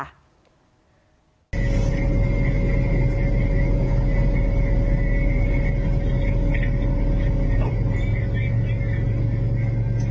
อ่า